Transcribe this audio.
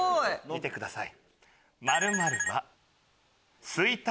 見てください。